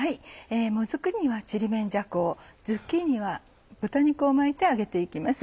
もずくにはちりめんじゃこをズッキーニは豚肉を巻いて揚げて行きます。